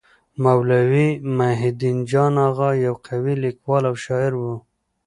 مولوي محی الدين جان اغا يو قوي لیکوال او شاعر وو.